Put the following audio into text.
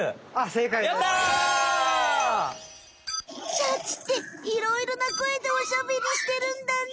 シャチっていろいろなこえでおしゃべりしてるんだね。